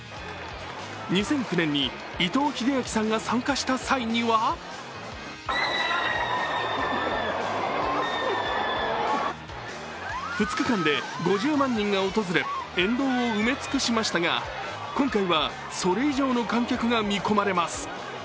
２００９年に伊藤英明さんが参加した際には２日間で５０万人が訪れ、沿道を埋め尽くしましたが、今回は、それ以上の観客が見込まれます。